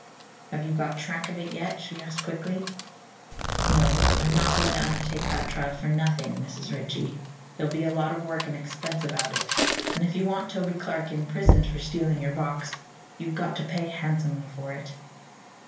"Have you got track of it yet?" she asked quickly. "No. I'm not going to undertake that trial for nothing, Mrs. Ritchie. There'll be a lot of work and expense about it and, if you want Toby Clark imprisoned for stealing your box, you've got to pay handsomely for it."